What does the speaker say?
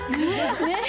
ねえ？